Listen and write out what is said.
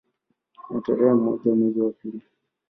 Na kwa tarehe moja mwezi wa pili